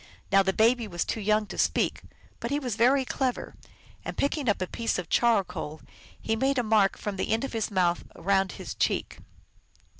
Now the baby was too young to speak, but he was very clever, and, picking up a piece of charcoal, he made a mark from the end of his mouth around his cheek.